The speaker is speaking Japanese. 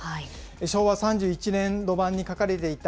昭和３１年度版に書かれていた、